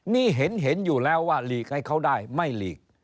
นี่เห็นอยู่แล้วว่าหลีกให้เขาได้ไม่หลีก